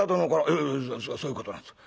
「ええそういうことなんです」。